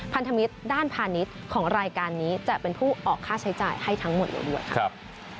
พันธมิตรด้านพาณิชย์ของรายการนี้จะเป็นผู้ออกค่าใช้จ่ายให้ทั้งหมดเลยด้วยครับ